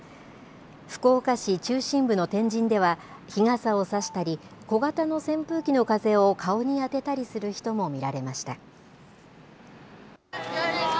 福岡市中心部の天神では、日傘を差したり、小型の扇風機の風を顔に当てたりする人も見られました。